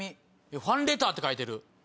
ファンレターって書いてる。